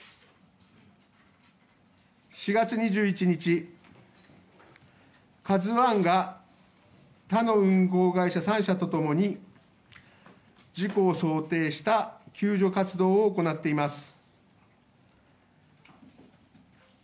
４月２１日、「ＫＡＺＵ１」が他の運航会社３社と共に事故を想定した救助活動を行っています。